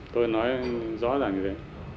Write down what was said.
tôi nói rõ ràng như thế